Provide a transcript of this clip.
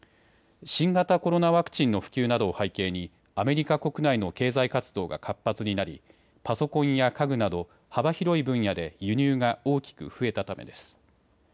新型コロナワクチンの普及などを背景にアメリカ国内の経済活動が活発になりパソコンや家具など幅広い分野で輸入が大きく増えたためです。